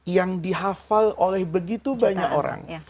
yang dihafal oleh begitu banyak orang